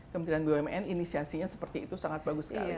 kementerian bumn inisiasinya seperti itu sangat bagus sekali